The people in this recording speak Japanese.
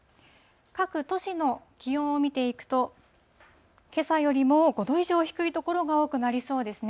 各都市の気温を見ていくと、けさよりも５度以上低い所が多くなりそうですね。